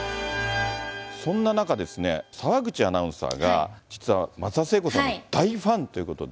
そんな中ですね、澤口アナウンサーが実は松田聖子さんの大ファンということで。